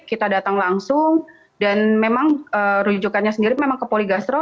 kita datang langsung dan memang rujukannya sendiri memang ke poligastro